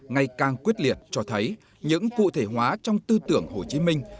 ngày càng quyết liệt cho thấy những cụ thể hóa trong tư tưởng hồ chí minh